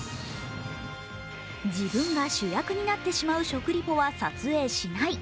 自分が主役になってしまう食リポは撮影しない。